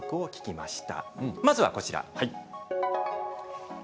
まずはこちらです。